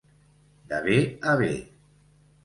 De bé a bé.